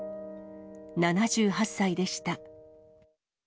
７８歳でした。